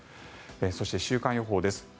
そして、週間予報です。